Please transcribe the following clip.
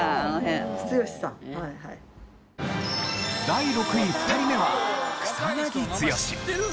第６位２人目は草剛。